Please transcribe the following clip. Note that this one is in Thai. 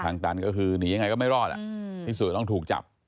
ตันก็คือหนียังไงก็ไม่รอดที่สุดต้องถูกจับ